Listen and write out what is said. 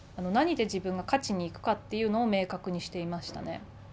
何で自分が勝ちに行くかというのを明確にしていましたね。